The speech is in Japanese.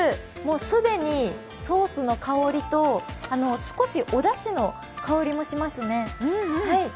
既にソースの香りと少しおだしの香りもしますね。